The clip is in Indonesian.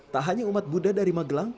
tak hanya umat buddha dari magelang